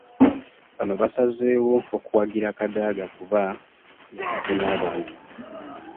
Bano baasazeewo okuwagira Kadaga kuba y'abadde n'abantu